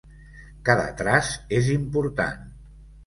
Cada traç és important.